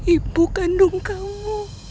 ibu kandung kamu